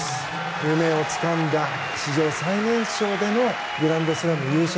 夢をつかんだ史上最年少でのグランドスラム優勝。